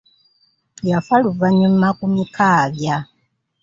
Yafa luvannyuma ku Mikaabya.